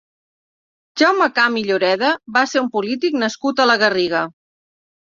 Jaume Camp i Lloreda va ser un polític nascut a la Garriga.